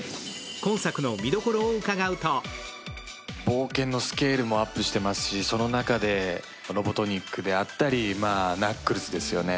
冒険のスケールもアップしていますし、その中でロボトニックであったりナックルズですよね